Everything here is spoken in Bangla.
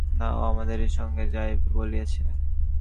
না, ও আমাদেরই সঙ্গে যাইবে বলিয়াছে।